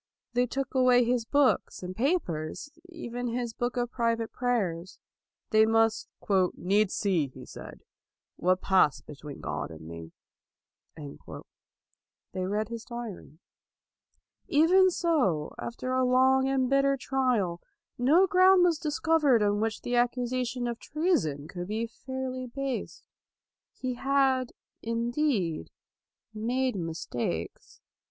They took away his books and papers, even his book of private prayers. They must " needs see," he said, " what passed between God and me." They read his diary. Even so, after a long and bitter trial, no ground was discovered on which the accusation of treason could be fairly based. He had, indeed, made mistakes.